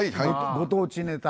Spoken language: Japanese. ご当地ネタ？